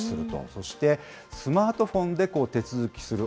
そして、スマートフォンで手続きする